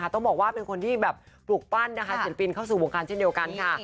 ต้องบอกว่าเป็นคนที่แบบปลูกปั้นนะคะศิลปินเข้าสู่วงการเช่นเดียวกันค่ะ